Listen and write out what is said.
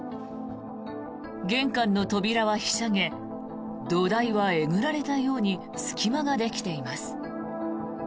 玄関の扉はひしゃげ土台はえぐられたように隙間ができています。